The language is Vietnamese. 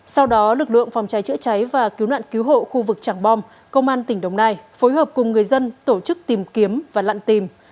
sau đó lực lượng phòng cháy chữa cháy và cứu nạn cứu hộ khu vực tràng bom công an tỉnh đồng nai phối hợp cùng người dân tổ chức tìm kiếm và lặn tìm